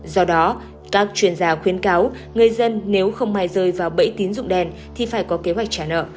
do đó các chuyên gia khuyến cáo người dân nếu không mai rơi vào bẫy tín dụng đen thì phải có kế hoạch trả nợ